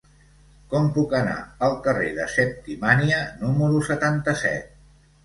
Com puc anar al carrer de Septimània número setanta-set?